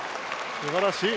すばらしい！